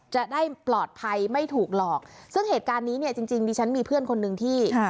จะได้ปลอดภัยไม่ถูกหลอกซึ่งเหตุการณ์นี้เนี่ยจริงจริงดิฉันมีเพื่อนคนหนึ่งที่